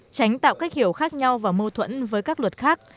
tránh tạo cách hiểu khác nhau và mâu thuẫn với các luật khác